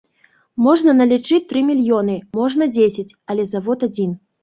Можна налічыць тры мільёны, можна дзесяць, але завод адзін.